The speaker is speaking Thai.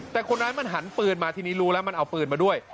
แต่คนร้ายมันหันปืนมาทีนี้รู้แล้วมันเอาปืนมาด้วย